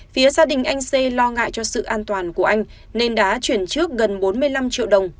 phía gia đình anh xê lo ngại cho sự an toàn của anh nên đã chuyển trước gần bốn mươi năm triệu đồng